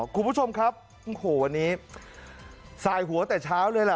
คุณผู้ชมครับโอ้โหวันนี้สายหัวแต่เช้าเลยล่ะ